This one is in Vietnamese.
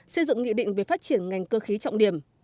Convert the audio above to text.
xây dựng nghị định về phát triển ngành cơ khí trọng điểm